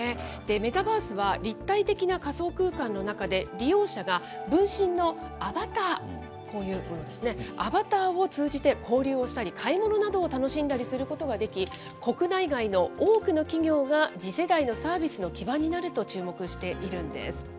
メタバースは、立体的な仮想空間の中で利用者が分身のアバター、こういうものですね、アバターを通じて交流をしたり、買い物などを楽しんだりすることができ、国内外の多くの企業が次世代のサービスの基盤になると注目しているんです。